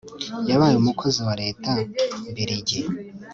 yabaye umukozi wa leta mbiligi